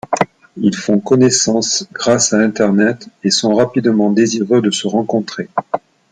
Ils font connaissance grâce à Internet et sont rapidement désireux de se rencontrer.